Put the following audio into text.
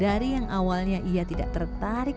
dari yang awalnya ia tidak tertarik